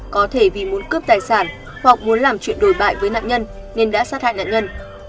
có thể vì muốn cướp tài sản hoặc muốn làm chuyện đồi bại với nạn nhân nên đã sát hại nạn nhân